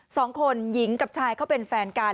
สองคนหญิงกับชายเขาเป็นแฟนกัน